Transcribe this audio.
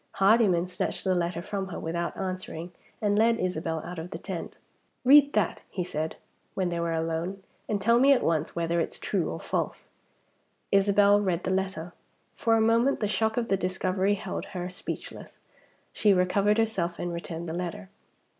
Hardyman snatched the letter from her, without answering, and led Isabel out of the tent. "Read that!" he said, when they were alone. "And tell me at once whether it's true or false." Isabel read the letter. For a moment the shock of the discovery held her speechless. She recovered herself, and returned the letter.